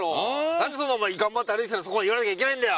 何でそんなお前頑張って歩いてたのにそこまで言われなきゃいけないんだよ？